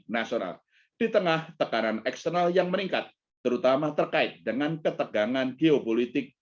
nasional di tengah tekanan eksternal yang meningkat terutama terkait dengan ketegangan geopolitik